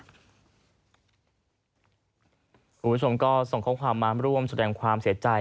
คุณผู้ชมก็ส่งข้อความมาร่วมแสดงความเสียใจ